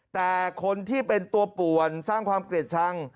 แต่คนที่เป็นตัวป่วนสร้างความเกลียดชัง